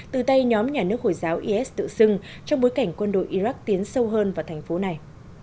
từ tay nhóm nhà nước hồi giáo is tự xưng trong bối cảnh quân đội iraq tiến sâu hơn vào thành phố này